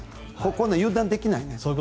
ここで油断できない。